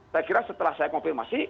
saya kira setelah saya konfirmasi